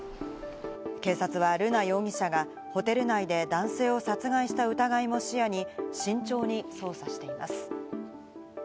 警察は瑠奈容疑者がホテル内で男性を殺害した疑いも視野に慎重に捜査しています。